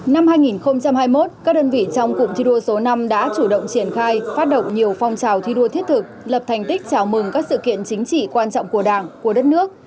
năm hai nghìn hai mươi một các đơn vị trong cụm thi đua số năm đã chủ động triển khai phát động nhiều phong trào thi đua thiết thực lập thành tích chào mừng các sự kiện chính trị quan trọng của đảng của đất nước